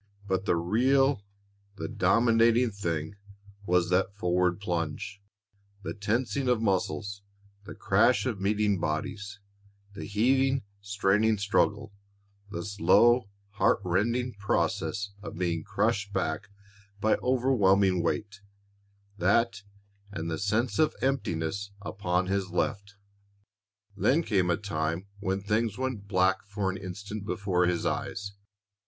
But the real, the dominating thing was that forward plunge, the tensing of muscles, the crash of meeting bodies, the heaving, straining struggle, the slow, heartrending process of being crushed back by overwhelming weight that and the sense of emptiness upon his left. Then came a time when things went black for an instant before his eyes.